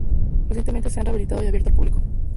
Recientemente se ha rehabilitado y abierto al público.